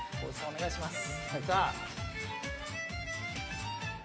お願いします。